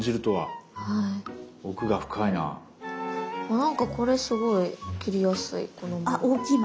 なんかこれすごい切りやすいこの丸。